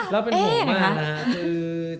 เราเป็นหัวมากนะ